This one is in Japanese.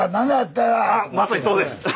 まさにそうです！